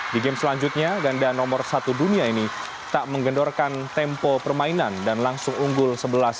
di game selanjutnya ganda nomor satu dunia ini tak menggendorkan tempo permainan dan langsung unggul sebelas